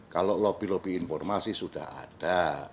kalau lobby lobby informasi sudah ada